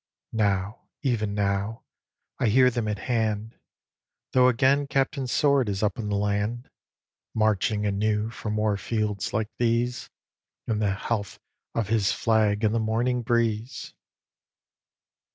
Now, even now, I hear them at hand, Though again Captain Sword is up in the land, Marching anew for more fields like these In the health of his flag in the morning breeze.